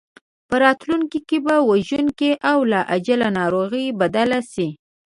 په راتلونکي کې په وژونکي او لاعلاجه ناروغۍ بدل شي.